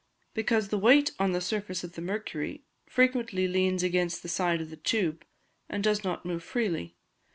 _ Because the weight on the surface of the mercury frequently leans against the side of the tube, and does not move freely.